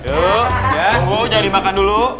ayo tunggu jangan dimakan dulu